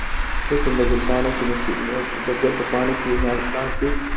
حسن د ګل په پاڼو کې ناڅي.